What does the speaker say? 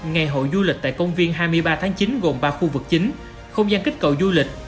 ngày hội du lịch tại công viên hai mươi ba tháng chín gồm ba khu vực chính không gian kích cầu du lịch